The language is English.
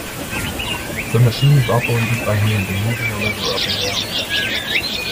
The machine is operated by hand in moving a lever up and down.